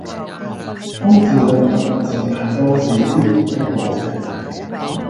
空置率逐漸提高是必然的過程